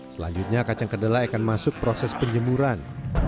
selanjutnya kacang kedelai akan masuk proses penjemuran